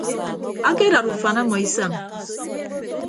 Akedad ufan ọmọ isañ.